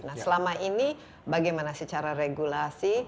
nah selama ini bagaimana secara regulasi